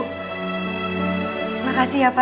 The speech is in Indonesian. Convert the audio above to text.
terima kasih ya pak